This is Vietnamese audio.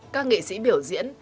các nghệ sĩ biểu diễn